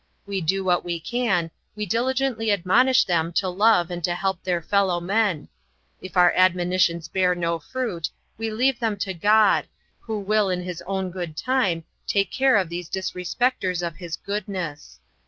We do what we can, we diligently admonish them to love and to help their fellow men. If our admonitions bear no fruit, we leave them to God, who will in His own good time take care of these disrespecters of His goodness.